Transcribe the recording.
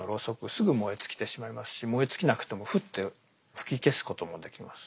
すぐ燃え尽きてしまいますし燃え尽きなくてもフッて吹き消すこともできます。